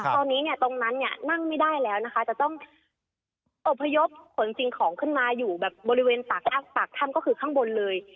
ตอนนี้ตรงนั้นนั่งไม่ได้แล้วจะต้องอบพยพเหมือนสิ่งของขึ้นมาอยู่บริเวณตักท่ำก็คือข้างบนเลย